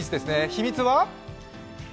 秘密は？